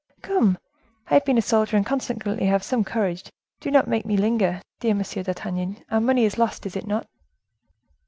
"Come! I have been a soldier and consequently have some courage; do not make me linger, dear Monsieur d'Artagnan; our money is lost, is it not?"